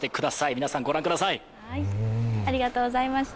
皆さんご覧ください！